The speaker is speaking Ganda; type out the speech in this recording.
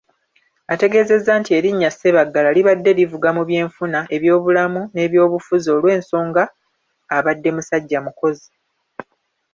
Ategeezezza nti erinnya Sebaggala libadde livuga mu byenfuna, ebyobulamu, n'eby'obufuzi olw'ensonga abadde musajja mukozi.